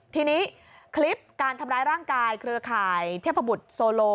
ทีนี้คลิปการทำร้ายร่างกายเครือข่ายเทพบุตรโซโล